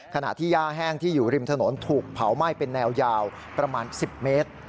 ย่าแห้งที่อยู่ริมถนนถูกเผาไหม้เป็นแนวยาวประมาณ๑๐เมตร